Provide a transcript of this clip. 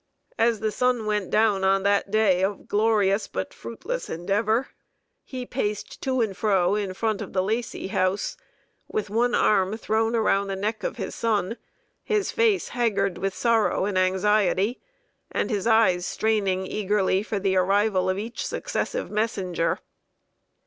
As the sun went down on that day of glorious but fruitless endeavor, he paced to and fro in front of the Lacy House, with one arm thrown around the neck of his son, his face haggard with sorrow and anxiety, and his eyes straining eagerly for the arrival of each successive messenger.